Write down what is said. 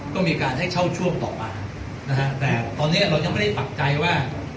ก็มีการให้เช่าช่วงต่อมานะฮะแต่ตอนนี้เรายังไม่ได้ปักใจว่า